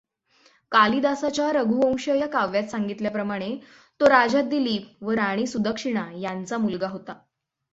कालिदासाच्या रघुवंश या काव्यात सांगितल्याप्रमाणे तो राजा दिलीप व राणी सुदक्षिणा यांचा मुलगा होता.